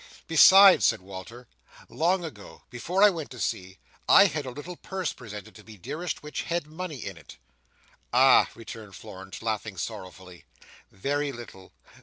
"Besides," said Walter, "long ago—before I went to sea—I had a little purse presented to me, dearest, which had money in it." "Ah!" returned Florence, laughing sorrowfully, "very little!